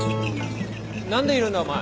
何でいるんだお前。